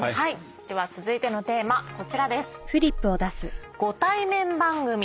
では続いてのテーマこちらです。